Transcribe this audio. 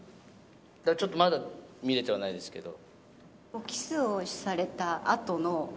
だから、ちょっとまだ、見れてはないですけど。